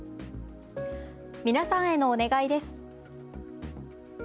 皆さんへのお願いです。